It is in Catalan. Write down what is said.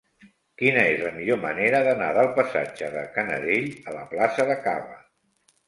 Quina és la millor manera d'anar del passatge de Canadell a la plaça de Caba?